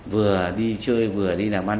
vừa đi chơi vừa đi làm ăn